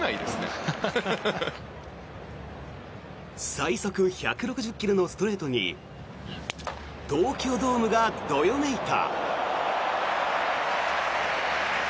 最速１６０ｋｍのストレートに東京ドームがどよめいた。